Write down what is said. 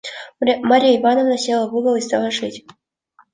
Марья Ивановна села в угол и стала шить.